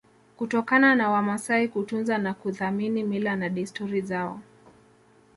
kutokana na Wamasai kutunza na kuthamini mila na desturi zao